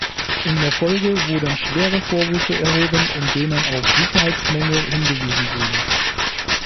In der Folge wurden schwere Vorwürfe erhoben, in denen auf Sicherheitsmängel hingewiesen wurde.